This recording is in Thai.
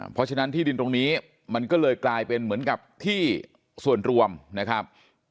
เพราะฉะนั้นที่ดินตรงนี้มันก็เลยกลายเป็นเหมือนกับที่ส่วนรวมนะครับ